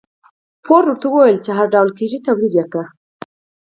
فورډ ورته وويل چې هر ډول کېږي توليد يې کړئ.